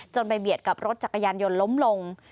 ไปเบียดกับรถจักรยานยนต์ล้มลง